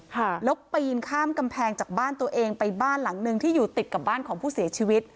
ค่ะแล้วปีนข้ามกำแพงจากบ้านตัวเองไปบ้านหลังนึงที่อยู่ติดกับบ้านของผู้เสียชีวิต